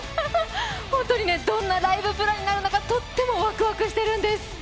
本当にどんなライブプランになるかとってもわくわくしてるんです！